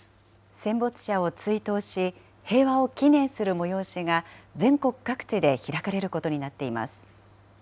戦没者を追悼し、平和を祈念する催しが全国各地で開かれることになっています。